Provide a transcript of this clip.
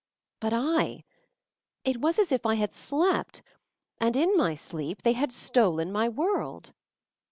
But I! It was as if I had slept, and, in my sleep, they had stolen my world.